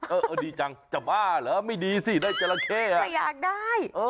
เออดีจังจะบ้าเหรอไม่ดีสิได้จราเข้อ่ะอยากได้